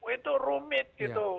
itu rumit gitu